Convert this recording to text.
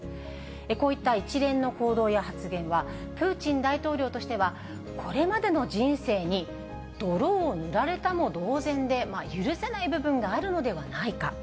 こういった一連の行動や発言は、プーチン大統領としては、これまでの人生に泥を塗られたも同然で、許せない部分があるのではないか。